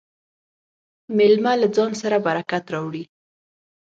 مېلمه له ځان سره برکت راوړي.